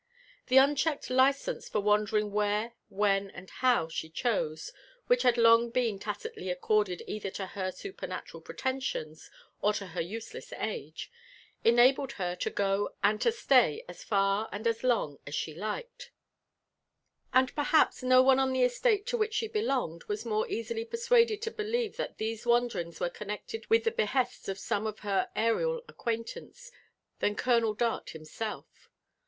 The unchecked license for wandering where, when, and how she ehose, which had long been tacitly accorded either to her supernatural pretensions or to her useless age, enabled her to go and to stay as far and as long as she liked ; and perhaps no one on the estate to which she belonged was more easily persuaded to believe that these wander ings were connected with the behests of some of her atrial acquaintance than Colonel Dart himself.